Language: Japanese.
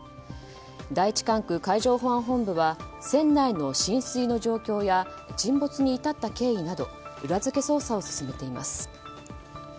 第１管区海上保安本部は船内の浸水の状況や沈没に至った経緯など裏付け捜査を進めています。